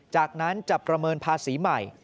จากนั้นจะประเมินภาษีใหม่